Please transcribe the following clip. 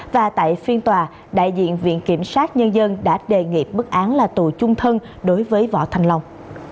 và tại phiên tòa đại diện viện kiểm sát nhân dân đã đề nghị bức án là tù chung thân đối với võ thanh long